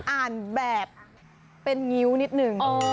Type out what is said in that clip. อ่านแบบเป็นงิ้วนิดนึง